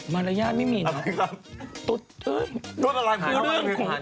มารยาทไม่มีนะตุ๊ดเอ๊ยตุ๊ดอะไรครับคุณหนุ่ม